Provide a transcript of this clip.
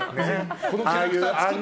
このキャラクターを作った。